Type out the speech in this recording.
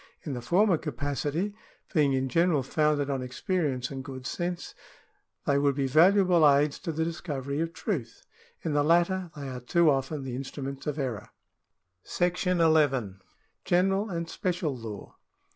In the former capacity, being in general founded on experience and good sense, they would be valuable aids to the discovery of truth ; in the latter, they are too often the instruments of error. 28 CIVIL LAW [§11 § II. General and Special Law.